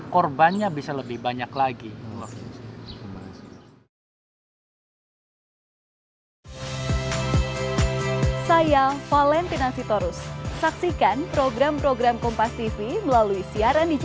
korbannya bisa lebih banyak lagi